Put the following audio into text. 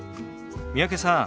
三宅さん